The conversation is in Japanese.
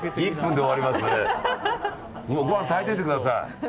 ご飯、炊いておいてください。